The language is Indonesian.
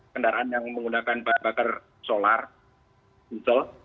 kendaraan yang menggunakan bakar solar diesel